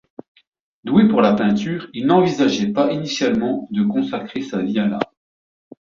Doué pour la peinture, il n'envisageait pas initialement de consacrer sa vie à l'art.